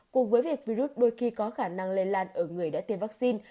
cùng với việc virus đôi khi có khả năng lây lan ở người đã tiêm vaccine